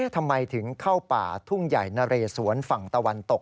ทำไมถึงเข้าป่าทุ่งใหญ่นะเรสวนฝั่งตะวันตก